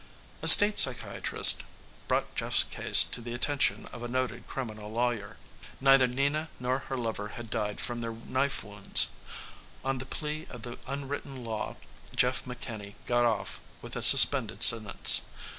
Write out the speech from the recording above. A state psychiatrist brought Jeff's case to the attention of a noted criminal lawyer. Neither Nina nor her lover had died from their knife wounds. On the plea of the unwritten law, Jeff McKinney got off with a suspended sentence.